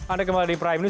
anda kembali di prime news